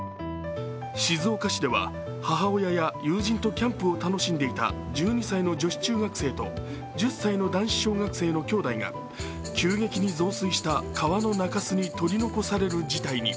静岡市では母親や友人とキャンプを楽しんでいた１２歳の女子中学生と１０歳の男子小学生のきょうだいが急激な増水した川の中州に取り残される事態に。